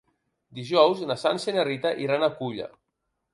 Dijous na Sança i na Rita iran a Culla.